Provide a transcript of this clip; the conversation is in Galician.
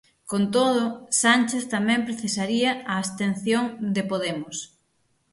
Con todo, Sánchez tamén precisaría a abstención de Podemos.